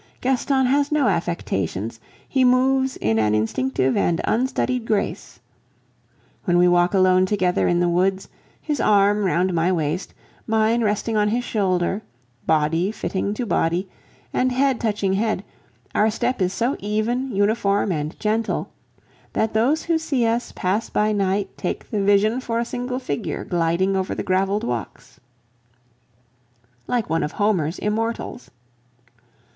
Gaston has no affectations, he moves with an instinctive and unstudied grace. When we walk alone together in the woods, his arm round my waist, mine resting on his shoulder, body fitting to body, and head touching head, our step is so even, uniform, and gentle, that those who see us pass by night take the vision for a single figure gliding over the graveled walks, like one of Homer's immortals.